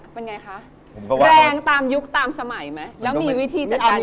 แปลงตามยุคตามสมัยไหมแล้วมีวิธีจัดการยังไง